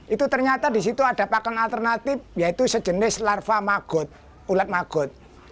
itu ternyata di situ ada pakan alternatif yaitu sejenis larva magot ulat magot